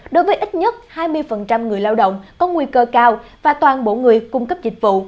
đối với ít nhất hai mươi người lao động có nguy cơ cao và toàn bộ người cung cấp dịch vụ